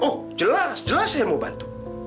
oh jelas jelas saya mau bantu